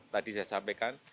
tadi saya sampaikan